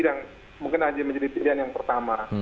dan mungkin aja menjadi pilihan yang pertama